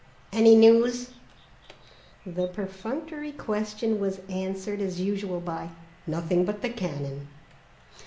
"Any news?" The perfunctory question was answered as usual by: "Nothing but the cannon."